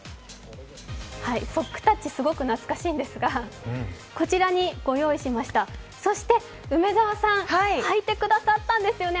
ソックタッチ、すごく懐かしいんですがこちらに御用意しました、そして梅澤さんはいてくださったんですよね。